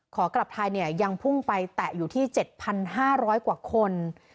ขอกลับไทยยังพุ่งไปแตะอยู่ที่๗๕๐๐กว่าคน